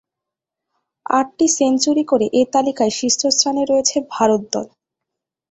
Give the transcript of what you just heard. আটটি সেঞ্চুরি করে এ তালিকার শীর্ষস্থানে রয়েছে ভারত দল।